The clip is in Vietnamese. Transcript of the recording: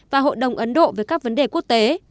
và hội đồng ấn độ về các vấn đề quốc tế